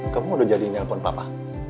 kamu udah jadi nelpon papa